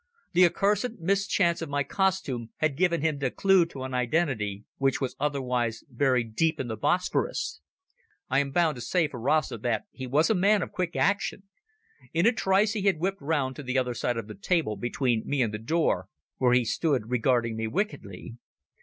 The accursed mischance of my costume had given him the clue to an identity which was otherwise buried deep in the Bosporus. I am bound to say for Rasta that he was a man of quick action. In a trice he had whipped round to the other side of the table between me and the door, where he stood regarding me wickedly.